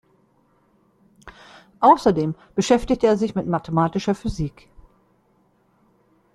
Außerdem beschäftigt er sich mit mathematischer Physik.